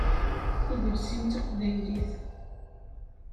Idles-im d taqbaylit.